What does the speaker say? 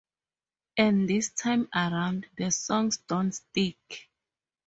And this time around, the songs don't stick.